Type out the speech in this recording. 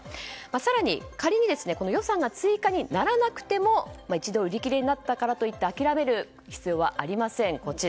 更に、仮に予算が追加にならなくても一度売り切れになったからといって諦める必要はありません。